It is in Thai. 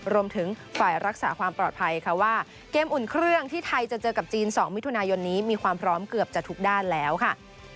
รวมถึงฝ่ายรักษาความปลอดภัยค่ะว่าเกมอุ่นเครื่องที่ไทยจะเจอกับจีน๒มิถุนายนนี้มีความพร้อมเกือบจะทุกด้านแล้วค่ะ